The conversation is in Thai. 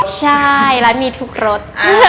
ใช่ร้านมีทุกรส